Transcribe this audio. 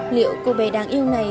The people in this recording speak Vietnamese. liệu cậu bé đáng yêu này